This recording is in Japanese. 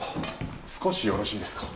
少しよろしいですか？